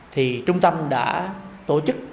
thì trung tâm đã tổ chức